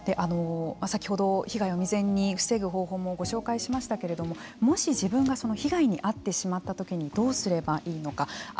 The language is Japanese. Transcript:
先ほど被害を未然に防ぐ方法もご紹介しましたけれどももし自分がその被害に遭ってしまったときにどうすればいいのか。